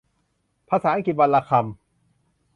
ภาษาอังกฤษวันละคำ